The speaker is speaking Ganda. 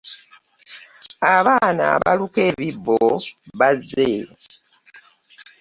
Abaana abaluka ebibbo bazze?